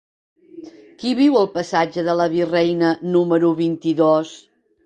Qui viu al passatge de la Virreina número vint-i-dos?